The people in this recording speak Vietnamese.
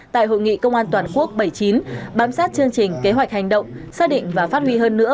tại hội nghị công an toàn quốc bảy mươi chín bám sát chương trình kế hoạch hành động xác định và phát huy hơn nữa